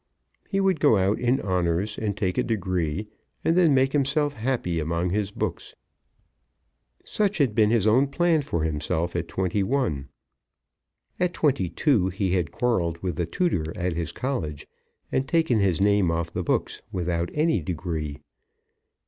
He would go out in honours, and take a degree, and then make himself happy among his books. Such had been his own plan for himself at twenty one. At twenty two he had quarrelled with the tutor at his college, and taken his name off the books without any degree.